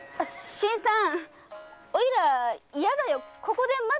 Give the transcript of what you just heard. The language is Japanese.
新さん